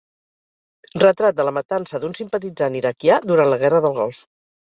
Retrat de la matança d'un simpatitzant iraquià durant la guerra del Golf.